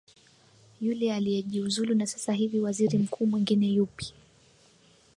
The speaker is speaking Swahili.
yule aliyejiuzulu na sasa hivi waziri mkuu mwengine yupi